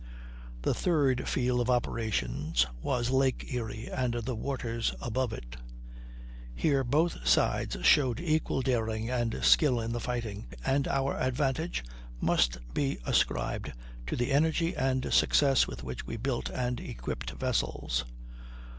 The third field of operations was Lake Erie and the waters above it. Here both sides showed equal daring and skill in the fighting, and our advantage must be ascribed to the energy and success with which we built and equipped vessels.